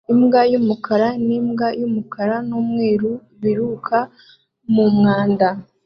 Imbwa y'umukara n'imbwa y'umukara n'umweru biruka mu mwanda